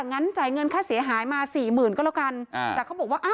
งั้นจ่ายเงินค่าเสียหายมาสี่หมื่นก็แล้วกันอ่าแต่เขาบอกว่าอ่า